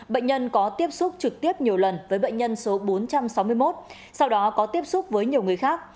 bệnh nhân có tiếp xúc trực tiếp nhiều lần với bệnh nhân số bốn trăm sáu mươi một sau đó có tiếp xúc với nhiều người khác